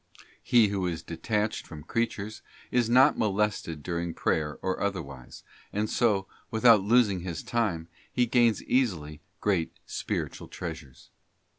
He who is detached from creatures, is not molested during prayer or otherwise, and so, without losing his time, he gains easily great spiritual treasures.